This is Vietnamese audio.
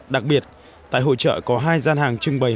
đặc biệt tại hội trợ có hai gian hàng trưng bày